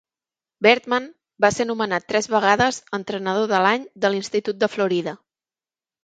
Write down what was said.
Bertman va ser nomenat tres vegades Entrenador de l'Any de l'institut de Florida.